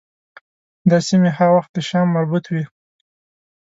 دا سیمې هغه وخت د شام مربوط وې.